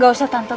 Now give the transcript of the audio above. gak usah tante